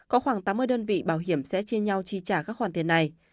có khoảng tám mươi đơn vị bảo hiểm sẽ chia nhau chi trả các khoản tiền này